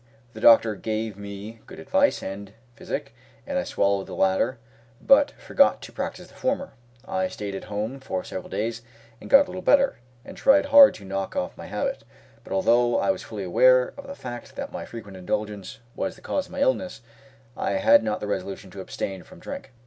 The doctor gave me good advice and physic, and I swallowed the latter but forgot to practise the former. I stayed at home for several days and got a little better, and tried hard to knock off my bad habit; but although I was fully aware of the fact that my frequent indulgence was the cause of my illness, I had not the resolution to abstain from drink.